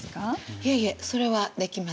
いえいえそれはできません。